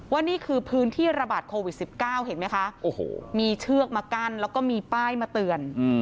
นี่คือพื้นที่ระบาดโควิด๑๙เห็นไหมคะมีเชือกมากั้นแล้วก็มีป้ายมาเตือน